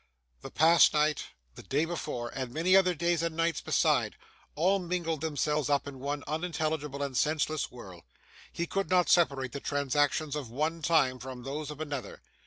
The past night, the day before, and many other days and nights beside, all mingled themselves up in one unintelligible and senseless whirl; he could not separate the transactions of one time from those of another.